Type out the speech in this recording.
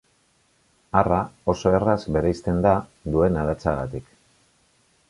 Arra oso erraz bereizten da, duen adatsagatik.